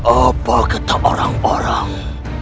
apakah tak orang orang